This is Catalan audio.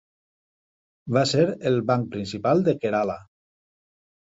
Va ser el banc principal de Kerala.